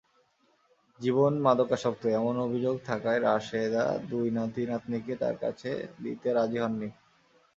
জীবন মাদকাসক্ত—এমন অভিযোগ থাকায় রাশেদা দুই নাতি-নাতনিকে তাঁর কাছে দিতে রাজি হননি।